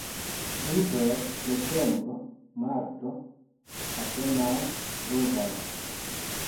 Inter decembro-marto apenaŭ pluvas.